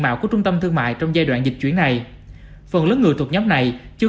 mạo của trung tâm thương mại trong giai đoạn dịch chuyển này phần lớn người thuộc nhóm này chưa